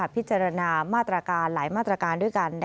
พิจารณามาตรการหลายมาตรการด้วยกัน